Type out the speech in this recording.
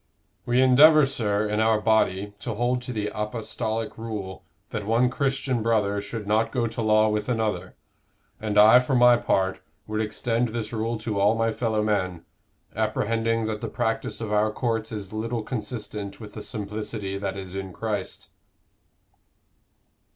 We endeavor, sir, in our body, to hold to the apostolic rule that one Christian brother should not go to law with another; and I, for my part, would extend this rule to all my fellow men, apprehending that the practice of our courts is little consistent with the simplicity that is in Christ."